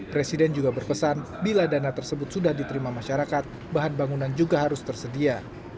presiden juga berpesan bila dana tersebut sudah diterima masyarakat bahan bangunan juga harus tersedia